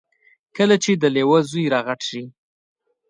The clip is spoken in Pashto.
کله چې د لیوه زوی را غټ شي.